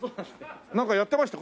なんかやってました？